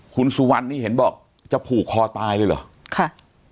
คุณสุวรรณนี่เห็นบอกจะผูกคอตายเลยเหรอค่ะ